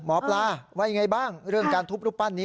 หมอปลาว่ายังไงบ้างเรื่องการทุบรูปปั้นนี้